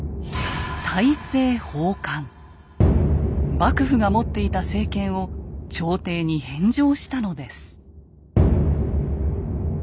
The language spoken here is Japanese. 幕府が持っていた政権を朝廷に返上したのです。